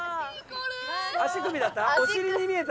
足首だった？